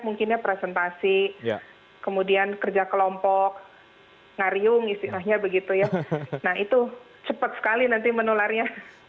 nah itu cepat sekali nanti menularnya